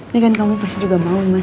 ini kan kamu pasti juga mau mas